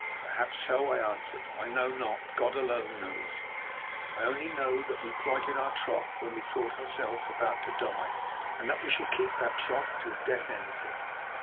"Perhaps so," I answered. "I know not; God alone knows. I only know that we plighted our troth when we thought ourselves about to die, and that we shall keep that troth till death ends it."